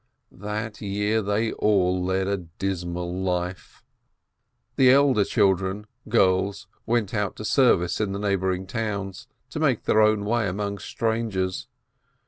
That year they all led a dismal life. The elder children, girls, went out to service in the neigh boring towns, to make their own way among strangers.